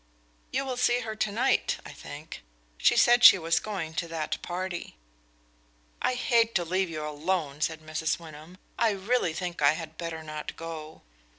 "You will see her to night, I think; she said she was going to that party." "I hate to leave you alone," said Mrs. Wyndham. "I really think I had better not go."